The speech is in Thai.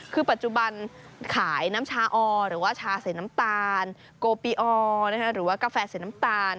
คือปัจจุบันขายน้ำชาออหรือว่าชาใส่น้ำตาลโกปีออหรือว่ากาแฟใส่น้ำตาล